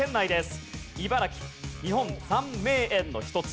茨城日本三名園の一つ。